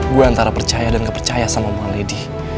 gue antara percaya dan gak percaya sama gua lady